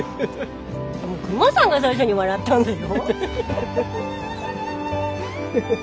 クマさんが最初に笑ったんだよ。